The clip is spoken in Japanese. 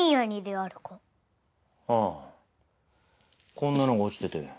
ああこんなのが落ちてて。